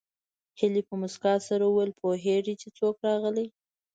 هيلې په مسکا سره وویل پوهېږې چې څوک راغلي